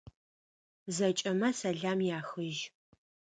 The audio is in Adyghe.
Зэкӏэмэ сэлам яхыжь.